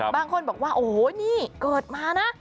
บางคนบอกว่าโอ้โหนี่เกิดมานะ